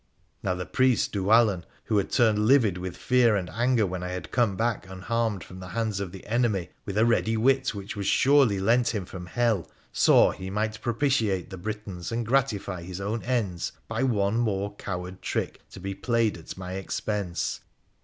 Now the priest Dhuwallon, who had turned livid with fear and anger when I had come back unharmed from the hands of the enemy, with a ready wit which was surely 22 WONDERFUL ADVENTURES OF lent him from hell, saw he might propitiate the Britons and gratify his own ends by one more coward trick to be played at my expense.